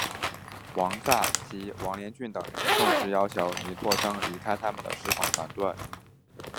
王载及王连俊等人正式要求倪柝声离开他们的事奉团队。